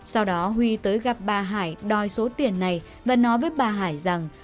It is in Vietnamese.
sau đó huy tới gặp bà hải đòi số tiền này và nói với bà hải rằng